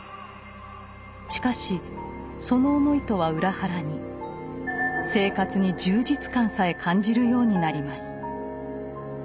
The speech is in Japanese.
しかしその思いとは裏腹に生活に充実感さえ感じるようになります。